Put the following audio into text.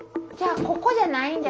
じゃあここじゃない。